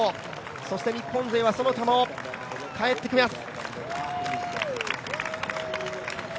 そして日本勢は其田も帰ってきます。